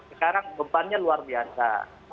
sekarang bebannya luar biasa